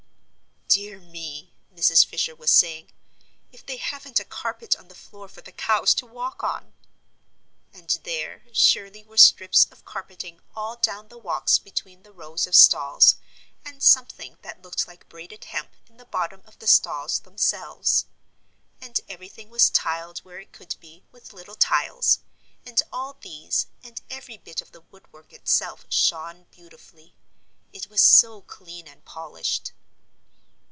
"Dear me," Mrs. Fisher was saying, "if they haven't a carpet on the floor for the cows to walk on!" And there, surely, were strips of carpeting all down the walks between the rows of stalls, and something that looked like braided hemp in the bottom of the stalls themselves. And everything was tiled where it could be, with little tiles, and all these and every bit of the woodwork itself shone beautifully it was so clean and polished.